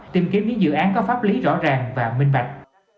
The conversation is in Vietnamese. tìm kiếm những dự án có pháp lý rõ ràng và minh bạch